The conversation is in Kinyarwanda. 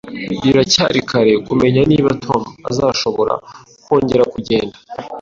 Biracyari kare kumenya niba Tom azashobora kongera kugenda